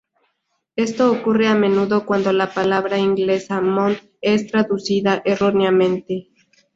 Esto ocurre a menudo cuando la palabra inglesa "moth" es traducida erróneamente.